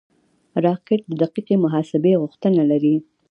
راکټ د دقیقې محاسبې غوښتنه لري